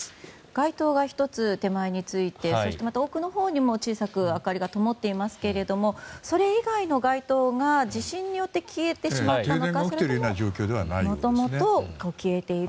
街灯が１つ手前についてそして、また奥のほうにも小さく明かりがともっていますけれどもそれ以外の街灯が地震によって消えてしまったのか。